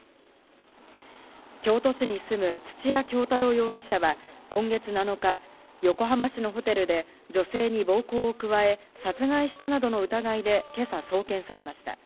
京都市に住む土屋京多郎容疑者は今月７日、横浜市のホテルで女性に暴行を加え、殺害したなどの疑いでけさ送検されました。